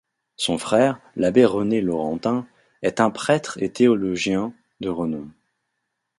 Son frère, l'abbé René Laurentin, est un prêtre et théologien de renom.